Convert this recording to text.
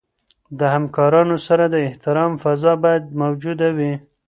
د همکارانو سره د احترام فضا باید موجوده وي.